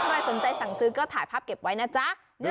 ใครสนใจสั่งซื้อก็ถ่ายภาพเก็บไว้นะจ๊ะ